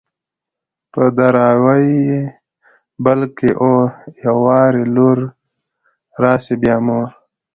په دراوۍ يې بل کي اور _ يو وار يې لور راسي بيا مور